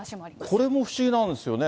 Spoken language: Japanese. これも不思議なんですよね。